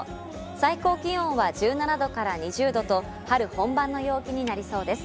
最高気温は１７度２０度と春本番の陽気になりそうです。